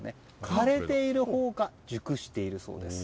枯れているほうが熟しているそうです。